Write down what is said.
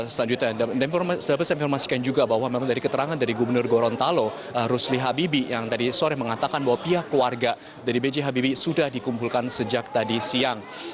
selanjutnya dapat saya informasikan juga bahwa memang dari keterangan dari gubernur gorontalo rusli habibie yang tadi sore mengatakan bahwa pihak keluarga dari b j habibie sudah dikumpulkan sejak tadi siang